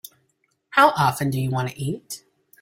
How often do you want to eat?